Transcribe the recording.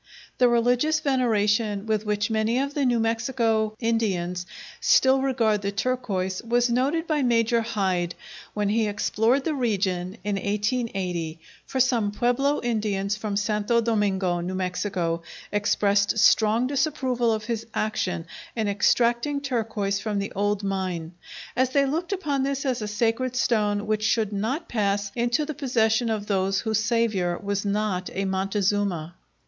The religious veneration with which many of the New Mexico Indians still regard the turquoise was noted by Major Hyde, when he explored the region in 1880, for some Pueblo Indians from Santo Domingo, New Mexico, expressed strong disapproval of his action in extracting turquoise from the old mine, as they looked upon this as a sacred stone which should not pass into the possession of those whose Saviour was not a Montezuma.